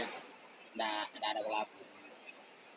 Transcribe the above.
tidak tidak ada yang melapor